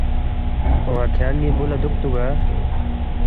اون٘ا کھیانگ ن٘ی بُو لہ دُوکتُوگا؟